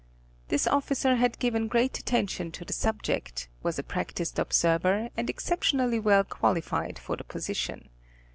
This officer had given great attention to the subject, was a practiced observer, and exceptionally well qualified for the position.